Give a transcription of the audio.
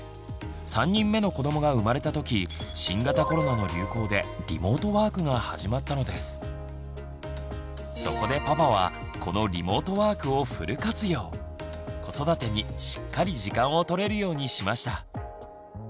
３人目の子どもが生まれた時そこでパパは子育てにしっかり時間を取れるようにしました。